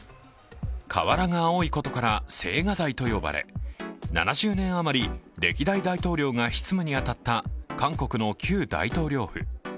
瓦が青いことから青瓦台と呼ばれ７０年余り、歴代大統領が執務に当たった韓国の旧大統領府。